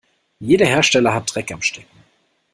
Jeder Hersteller hat Dreck am Stecken.